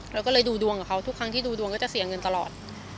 เราก็เลยดูดวงกับเขาทุกครั้งที่ดูดวงก็จะเสียเงินตลอด